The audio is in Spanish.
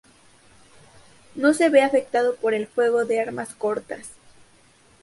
No se ve afectado por el fuego de armas cortas.